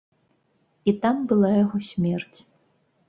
І там была яго смерць.